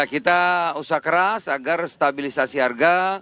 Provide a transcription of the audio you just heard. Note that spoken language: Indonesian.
kita usaha keras agar stabilisasi harga